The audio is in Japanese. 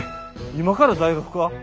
今から大学か？